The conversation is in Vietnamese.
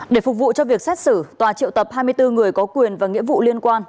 để phục vụ cho việc xét xử tòa triệu tập hai mươi bốn người có quyền và nghĩa vụ liên quan